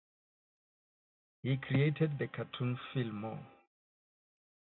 He created the cartoon Fillmore!